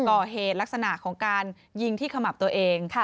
ก่อเหตุลักษณะของการยิงที่ขมับตัวเอง